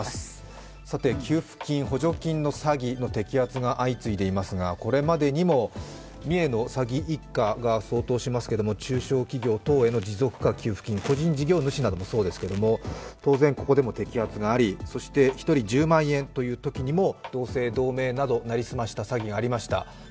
給付金・補助金の詐欺の摘発が相次いでいますが、これまでにも三重の詐欺一家が相当しますけど中小企業等への持続化給付金、個人事業主などもそうですけれども、当然ここでも摘発があり、そして１人１０万円というときにも同姓同名などに成り済ました詐欺がありました。